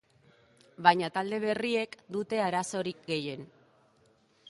Baina talde berriek dute arazorik gehien.